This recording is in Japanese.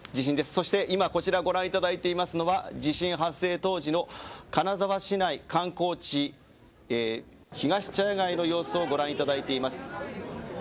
そして今、こちらご覧いただいていますのが地震発生当時の金沢市内観光地ひがし茶屋街の様子をご覧いただいています。